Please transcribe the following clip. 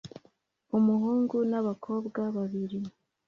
Umuhungu n'abakobwa babiri